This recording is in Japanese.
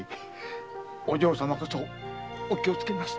お嬢様こそお気をつけて。